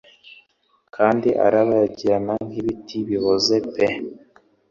Kandi urabagirana nk'ibiti biboze pe